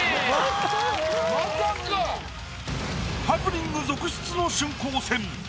ハプニング続出の春光戦。